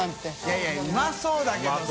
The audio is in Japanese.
い笋いうまそうだけどさ。